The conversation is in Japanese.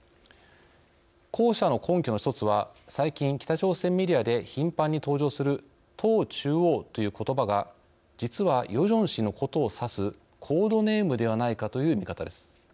後者の根拠の一つは最近北朝鮮メディアで頻繁に登場する党中央ということばが実はヨジョン氏のことを指すコードネームではないかという見方です。